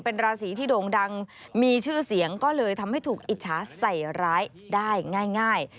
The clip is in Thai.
เป็นราศีที่โด่งดังมีชื่อเสียงก็เลยทำให้ถูกอิจฉาใส่ร้ายได้ง่าย